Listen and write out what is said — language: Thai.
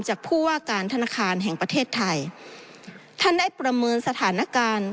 ผู้ว่าการธนาคารแห่งประเทศไทยท่านได้ประเมินสถานการณ์